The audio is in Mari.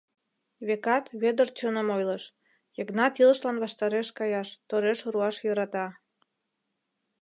Векат, Вӧдыр чыным ойлыш: Йыгнат илышлан ваштареш каяш, тореш руаш йӧрата.